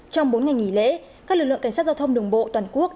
trong bốn ngày nghỉ lễ các lực lượng cảnh sát giao thông đường bộ toàn quốc